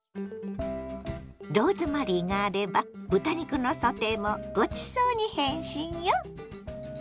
ローズマリーがあれば豚肉のソテーもごちそうに変身よ。